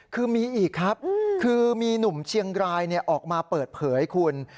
คือมีอีกครับคือมีหนุ่มเชียงรายออกมาเปิดเผยคุณ